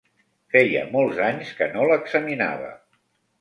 Feia molts anys que no l'examinava.